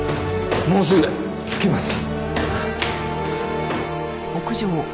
もうすぐ着きます。